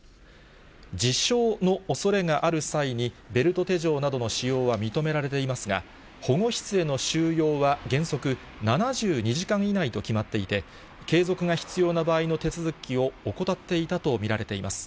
自傷のおそれがある際に、ベルト手錠などの使用は認められていますが、保護室への収容は原則７２時間以内と決まっていて、継続が必要な場合の手続きを怠っていたと見られています。